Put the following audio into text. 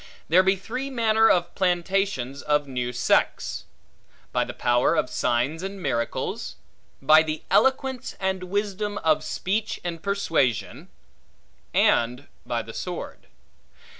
There be three manner of plantations of new sects. By the power of signs and miracles; by the eloquence, and wisdom, of speech and persuasion; and by the sword.